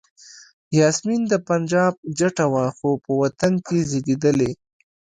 یاسمین د پنجاب جټه وه خو په وطن کې زیږېدلې.